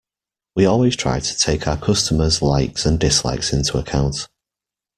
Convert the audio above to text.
We always try to take our customers’ likes and dislikes into account.